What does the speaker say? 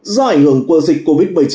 do ảnh hưởng quân dịch covid một mươi chín